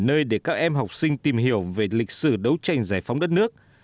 sẽ là nơi để các em học sinh tìm hiểu về lịch sử đấu tranh giải phóng đất nước